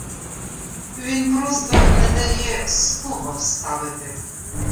Він просто не дає слова вставити.